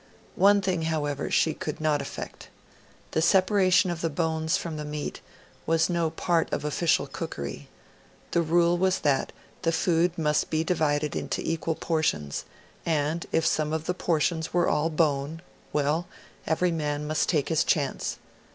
One thing, however, she could not effect. The separation of the bones from the meat was no part of official cookery: the rule was that the food must be divided into equal portions, and if some of the portions were all bone well, every man must take his chance.